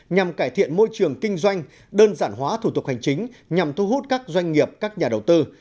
nhằm cải thiện môi trường kinh doanh đơn giản hóa thủ tục hành chính nhằm thu hút các doanh nghiệp các nhà đầu tư